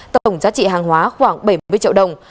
tổng giá trị hàng hóa khoảng bảy mươi triệu đồng